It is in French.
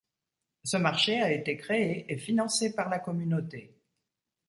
Ce marché a été créé et financé par la communauté.